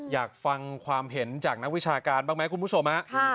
อยากฟังความเห็นจากนักวิชาการบ้างไหมคุณผู้ชมฮะ